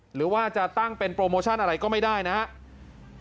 หรือว่าจะตั้งเป็นโปรโมชั่นอะไรก็ไม่ได้นะครับ